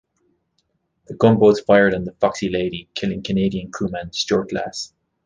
The gunboats fired on the "Foxy Lady" killing Canadian crewman Stuart Glass.